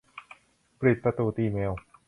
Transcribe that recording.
ปิดประตูตีแมว